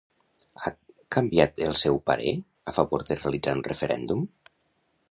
Ha canviat el seu parer a favor de realitzar un referèndum?